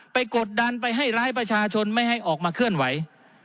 กดดันไปให้ร้ายประชาชนไม่ให้ออกมาเคลื่อนไหว